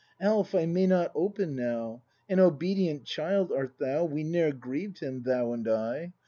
Alf, I may not open now! An obedient child art thou! We ne'er grieved him, thou and I.